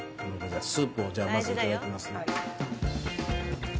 スープをじゃあまずいただきますね。